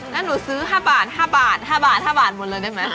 แล้วหนูซื้อ๕บาท๕บาท๕บาท๕บาทหมดเลยได้ไหม